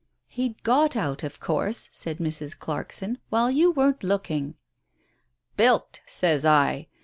" "He'd got out, of course," said Mrs. Clarkson, "while you weren't looking." "' Bilked,' says I.